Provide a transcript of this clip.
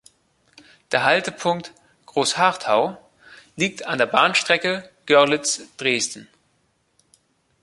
Der Haltepunkt "Großharthau" liegt an der Bahnstrecke Görlitz–Dresden.